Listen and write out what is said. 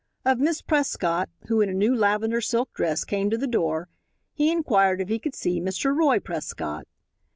Of Miss Prescott, who, in a new lavender silk dress, came to the door, he inquired if he could see Mr. Roy Prescott.